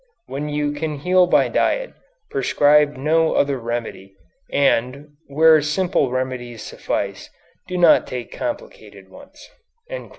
"When you can heal by diet, prescribe no other remedy, and, where simple remedies suffice, do not take complicated ones."